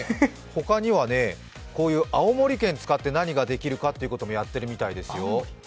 他には、こういう青森県を使って何ができるかというのもやってるみたいですよ。